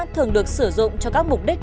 thường được sử dụng cho các mục đích